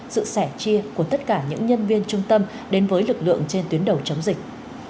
sự sẻ chia của tất cả những nhân viên trung tâm đến với lực lượng trên tuyến đầu chống dịch